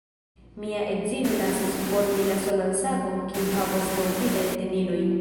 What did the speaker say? Mia edzino lasis por mi la solan sakon kiu havas rompitajn tenilojn